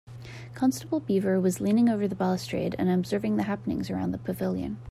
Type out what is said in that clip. Constable Beaver was leaning over the balustrade and observing the happenings around the pavilion.